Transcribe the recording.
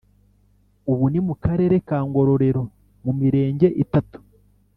ubu ni mu karere ka ngororero mu mirenge itatu